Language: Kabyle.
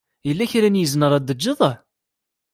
Yella kra n yizen ara d-teǧǧed?